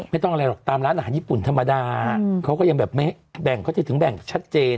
ไม่ต้องอะไรหรอกตามร้านอาหารญี่ปุ่นธรรมดาเขาก็ยังแบบไม่แบ่งเขาจะถึงแบ่งชัดเจน